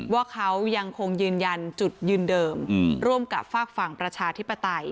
ว่าเขายังคงยืนยันจุดยืนเดิมร่วมกับฝากฝั่งประชาธิปไตย